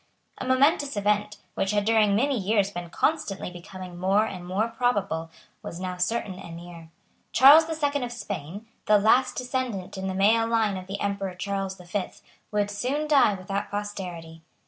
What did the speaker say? A momentous event, which had during many years been constantly becoming more and more probable, was now certain and near. Charles the Second of Spain, the last descendant in the male line of the Emperor Charles the Fifth, would soon die without posterity.